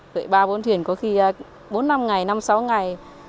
vậy ba bốn thuyền có khi bốn năm ngày năm sáu ngày